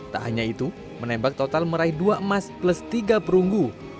tak hanya itu menembak total meraih dua emas plus tiga perunggu